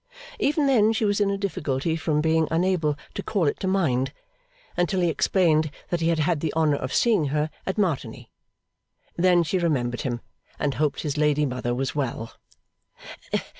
Even then she was in a difficulty from being unable to call it to mind, until he explained that he had had the honour of seeing her at Martigny. Then she remembered him, and hoped his lady mother was well.